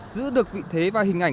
giữ được vị thế và hình ảnh